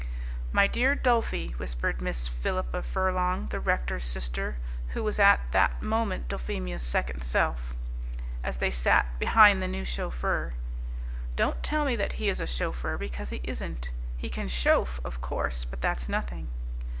"My dear Dulphie," whispered Miss Philippa Furlong, the rector's sister (who was at that moment Dulphemia's second self), as they sat behind the new chauffeur, "don't tell me that he is a chauffeur, because he isn't. He can chauffe, of course, but that's nothing."